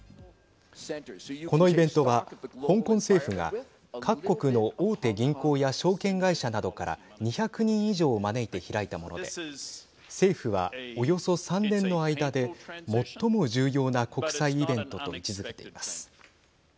このイベントは香港政府が各国の大手銀行や証券会社などから２００人以上を招いて開いたもので政府は、およそ３年の間で最も重要な国際イベントと位置づけています。